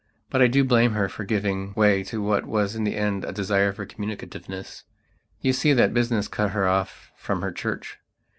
But I do blame her for giving way to what was in the end a desire for communicativeness. You see that business cut her off from her Church.